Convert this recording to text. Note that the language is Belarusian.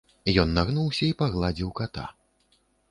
Ён нагнуўся і пагладзіў ката.